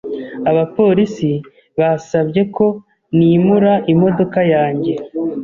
Abapolisi basabye ko nimura imodoka yanjye.